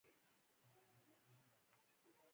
منی د افغانستان د پوهنې نصاب کې شامل دي.